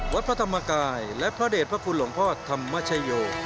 วัดพระธรรมกายและพระเด็จพระคุณหลวงพ่อธรรมชโย